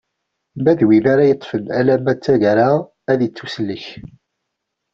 Ma d win ara yeṭṭfen alamma d taggara ad ittusellek.